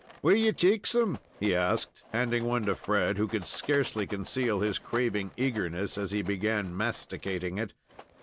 "Will ye take some?" he asked, handing one to Fred, who could scarcely conceal his craving eagerness, as he began masticating it.